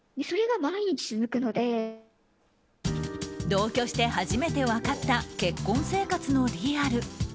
同居して初めて分かった結婚生活のリアル。